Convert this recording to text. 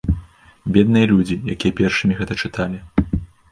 Бедныя людзі, якія першымі гэта чыталі!